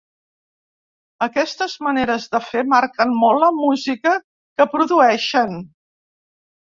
Aquestes maneres de fer marquen molt la música que produeixen.